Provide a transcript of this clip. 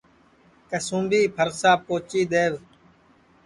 کسُُونٚمبی پھرساپ پوچی دؔیوَ